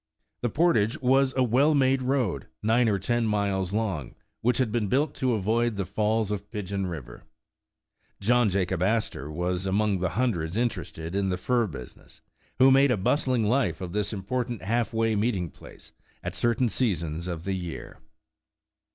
The portage was a well made road, nine or ten miles long, which had been built to avoid the falls of Pigeon River. John Jacob Astor was one among the hundreds interested in the fur busi ness, who made a bustling life of this important half way meeting place, at certain seasons of the year.